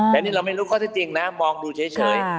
แต่นี่เราไม่รู้ข้อที่จริงนะมองดูเฉย